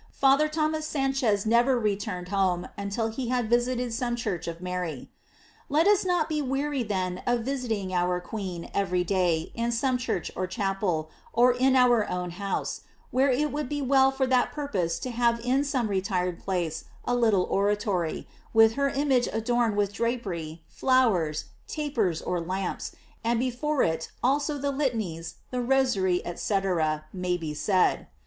Father Thomas Sanchez never returned home until he had visited some church of Mary. Let us not be •weary then of visiting our queen every day in some church or chapel, or in our own house, where it would be well for that purpose to have in GLORIES OF MARY. 659 some retired place a, little oratory, with her image adorned with drapery, flowers, tapers, or lamps, and before it also the litanies, the rosary, &c., may be said.